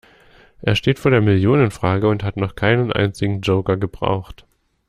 Er steht vor der Millionenfrage und hat noch keinen einzigen Joker gebraucht.